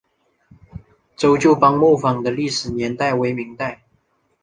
周旧邦木坊的历史年代为明代。